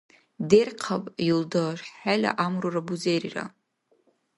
Дерхъаб, юлдаш, хӀела гӀямрура, бузерира!